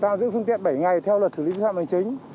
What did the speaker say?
tạm giữ phương tiện bảy ngày theo luật xử lý vi phạm hành chính